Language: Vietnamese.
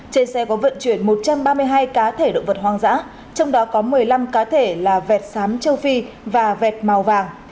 trên xe có vận chuyển một trăm ba mươi hai cá thể động vật hoang dã trong đó có một mươi năm cá thể là vẹt sám châu phi và vẹt màu vàng